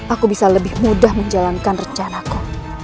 aku bisa lebih mudah menjalankan rencanaku